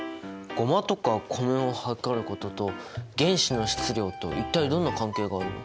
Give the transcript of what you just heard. ゴマとか米を量ることと原子の質量と一体どんな関係があるの？